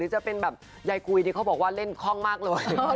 ยายกุยเขาบอกว่าเล่นค่องมากเลย